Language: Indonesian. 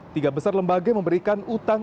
tiga besar lembaga memberikan utang